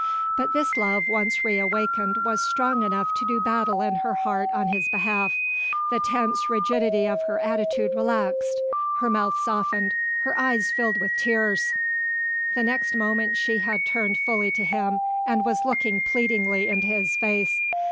But this love once re awakened was strong enough to do battle in her heart on his behalf: the tense rigidity of her attitude relaxed, her mouth softened, her eyes filled with tears. The next moment she had turned fully to him and was looking pleadingly into his face.